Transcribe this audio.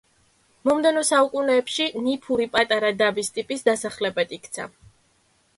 მომდევნო საუკუნეებში ნიფური პატარა დაბის ტიპის დასახლებად იქცა.